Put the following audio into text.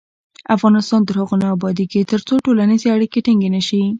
افغانستان تر هغو نه ابادیږي، ترڅو ټولنیزې اړیکې ټینګې نشي.